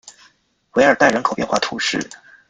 韦尔代人口变化图示